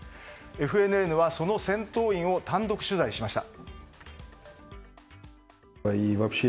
ＦＮＮはその戦闘員を単独取材しました。